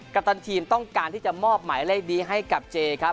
ปตันทีมต้องการที่จะมอบหมายเลขนี้ให้กับเจครับ